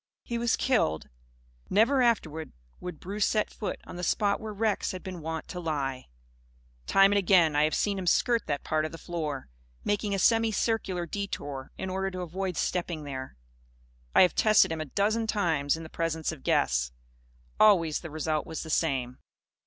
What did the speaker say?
He was killed. Never afterward would Bruce set foot on the spot where Rex had been wont to lie. Time and again I have seen him skirt that part of the floor, making a semi circular detour in order to avoid stepping there. I have tested him a dozen times, in the presence of guests. Always the result was the same.